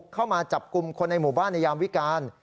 เข้ามาจับกลุ่มคนในหมู่บ้านในยามวิการ